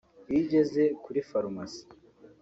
Iyo ugeze kuri farumasi